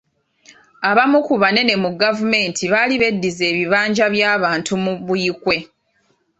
Abamu ku banene mu gavumenti baali beddiza ebibanja by'abantu mu Buikwe.